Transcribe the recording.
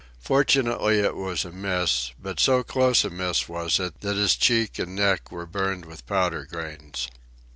Fortunately it was a miss, but so close a miss was it that his cheek and neck were burned with powder grains.